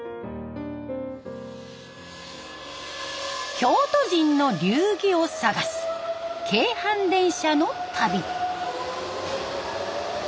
京都人の流儀を探す京阪電車の旅。